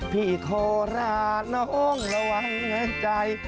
พี่โทราน้องระวังใจ